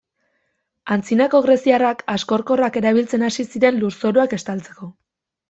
Antzinako Greziarrak harkoskorrak erabiltzen hasi ziren lurzoruak estaltzeko.